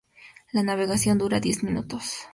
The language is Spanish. La navegación dura diez minutos.